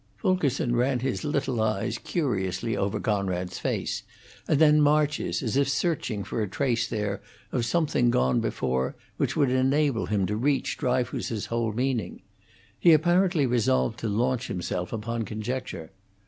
Fulkerson ran his little eyes curiously over Conrad's face and then March's, as if searching for a trace there of something gone before which would enable him to reach Dryfoos's whole meaning. He apparently resolved to launch himself upon conjecture.